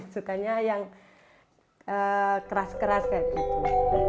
sukanya yang keras keras kayak gitu